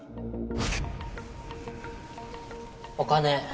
お金